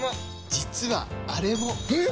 実はあれも！え！？